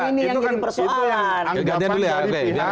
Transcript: ini yang jadi persoalan